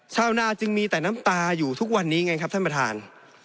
ชาวนาจึงมีแต่น้ำตาอยู่ทุกวันนี้ไงครับท่านประธาน